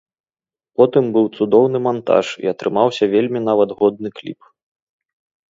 Потым быў цудоўны мантаж і атрымаўся вельмі нават годны кліп.